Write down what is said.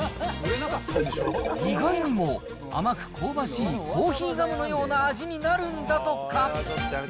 意外にも甘く香ばしいコーヒーガムのような味になるんだとか。